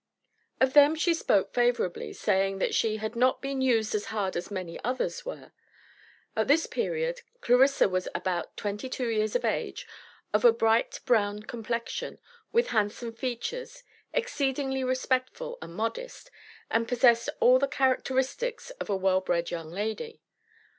Of them she spoke favorably, saying that she "had not been used as hard as many others were." At this period, Clarissa was about twenty two years of age, of a bright brown complexion, with handsome features, exceedingly respectful and modest, and possessed all the characteristics of a well bred young lady.